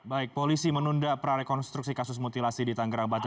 baik polisi menunda prerekonstruksi kasus mutilasi di tanggerabat